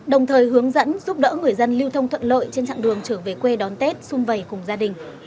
đồng thời hướng dẫn giúp đỡ người dân lưu thông thuận lợi trên trạng đường trở về quê đón tết xung vầy cùng gia đình